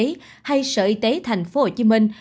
bộ y tế hay sở y tế thành phố hồ chí minh